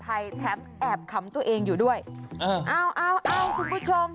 อ้าวคุณผู้ชม